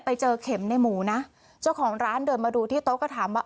ไปเจอเข็มในหมูนะเจ้าของร้านเดินมาดูที่โต๊ะก็ถามว่า